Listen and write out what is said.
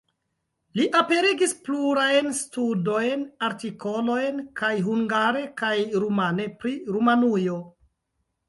Li aperigis plurajn studojn, artikolojn kaj hungare kaj rumane pri Rumanujo.